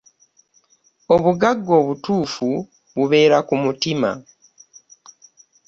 Obugagga obutuufu bubeera ku mutima.